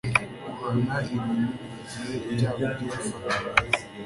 guhana ibintu, burigihe ibyago byo gufata